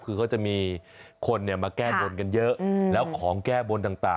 คือเขาจะมีคนมาแก้บนกันเยอะแล้วของแก้บนต่าง